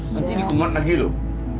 nanti dikumat lagi loh